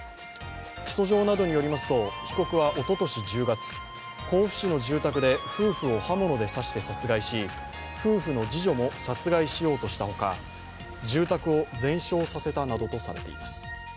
起訴状などによりますと、被告はおととし１０月、甲府市の住宅で夫婦を刃物で刺して殺害し夫婦の次女も殺害しようとしたほか住宅を全焼させたなどとされています。